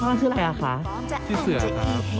พ่อชื่ออะไรค่ะพี่เสือเหรอคะ